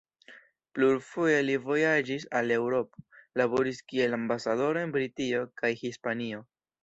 Plurfoje li vojaĝis al Eŭropo, laboris kiel ambasadoro en Britio kaj Hispanio.